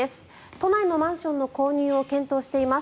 都内のマンションの購入を検討しています。